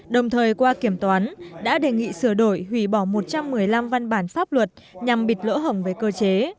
đồng thời qua kiểm toán đã đề nghị sửa đổi hủy bỏ một trăm một mươi năm văn bản pháp luật nhằm bịt lỗ hồng về cơ chế